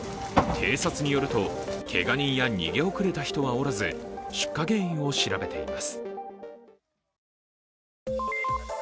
警察によると、けが人や逃げ遅れた人はおらず、出火原因を調べています。